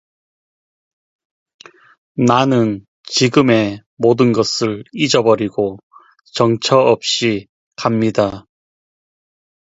나는 지금에 모든 것을 잊어버리고 정처 없이 갑니다.